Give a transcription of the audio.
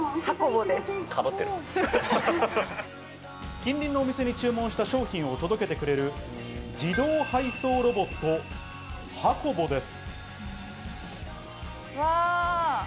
近隣のお店に注文した商品を届けてくれる自動配送ロボット、ハコボです。